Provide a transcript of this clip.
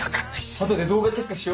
あとで動画チェックしよ